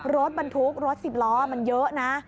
รถมันทุกรถสิบล้อมันเยอะนะ